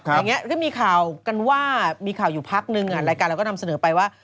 อย่างนี้ก็มีข่าวกันว่ามีข่าวอยู่พักนึงรายการเราก็นำเสนอไปว่า